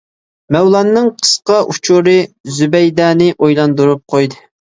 مەۋلاننىڭ قىسقا ئۇچۇرى زۇبەيدەنى ئويلاندۇرۇپ قويدى.